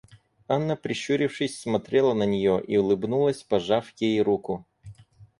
Анна прищурившись смотрела на нее и улыбнулась, пожав ей руку.